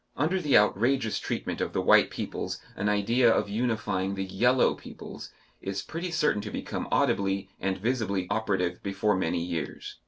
Under the outrageous treatment of the white peoples an idea of unifying the "Yellow" peoples is pretty certain to become audibly and visibly operative before many years.